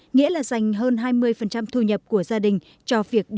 nghĩa là dành hơn hai mươi thu nhập của gia đình